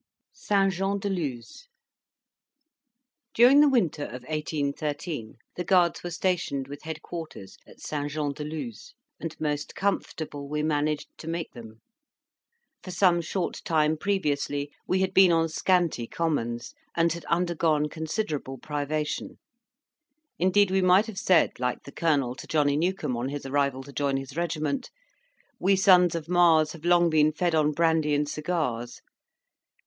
ST. JEAN DE LUZ During the winter of 1813, the Guards were stationed with head quarters at St Jean de Luz, and most comfortable we managed to make them. For some short time previously we had been on scanty commons, and had undergone considerable privation: indeed we might have said, like the Colonel to Johnny Newcome on his arrival to join his regiment, "We sons of Mars have long been fed on brandy and cigars."